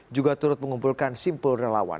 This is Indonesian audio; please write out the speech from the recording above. juga turut mengumpulkan simpul relawan